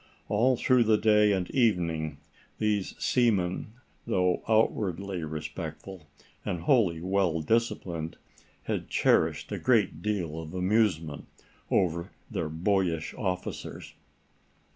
All through the day and evening these seamen, though outwardly respectful, and wholly well disciplined, had cherished a great deal of amusement over their boyish officers.